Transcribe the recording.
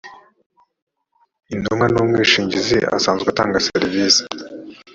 intumwa n’umwishingizi asanzwe atanga serivise